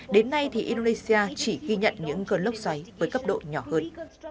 đến nay thì indonesia chỉ ghi nhận những cơn lốc xoáy với cấp độ nhỏ hơn